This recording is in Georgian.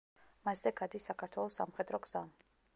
მასზე გადის საქართველოს სამხედრო გზა.